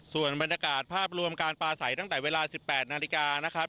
ส่วนบรรยากาศภาพรวมการปลาใสตั้งแต่เวลา๑๘นาฬิกานะครับ